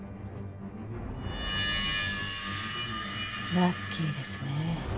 ラッキーですね